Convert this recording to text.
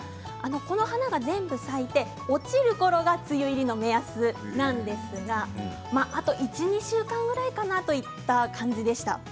この花が全部咲いて落ちるころが梅雨入りの目安なんですがあと１、２週間ぐらいかなといった感じでした。